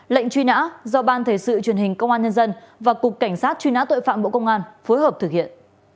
lệnh truy nã do ban thể sự truyền hình công an nhân dân và cục cảnh sát truy nã tội phạm bộ công an phối hợp thực hiện